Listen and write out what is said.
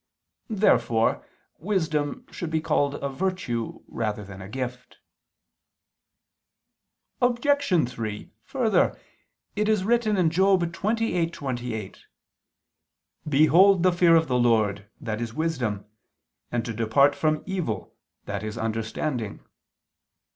Therefore wisdom should be called a virtue rather than a gift. Obj. 3: Further, it is written (Job 28:28): "Behold the fear of the Lord, that is wisdom, and to depart from evil, that is understanding."